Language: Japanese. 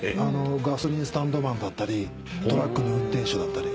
ガソリンスタンドマンだったりトラックの運転手だったり。